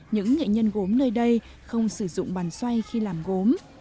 những nghệ nhân gốm nơi đây không sử dụng bàn xoay khi làm gốm